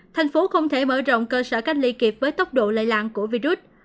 thành phố không thể mở rộng cơ sở cách ly kịp với tốc độ lây lan của virus